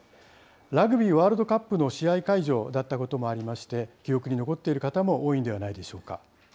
ラグビーワールドカップの試合会場だったこともありまして、記憶に残っている方も多いんではないでしょうか。